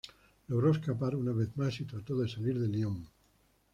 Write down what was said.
Logró escapar una vez más y trató de salir de Lyon.